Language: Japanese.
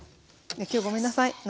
今日ごめんなさい。